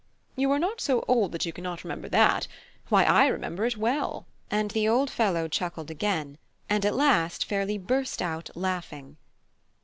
You are not so old that you cannot remember that. Why, I remember it well." And the old fellow chuckled again, and at last fairly burst out laughing.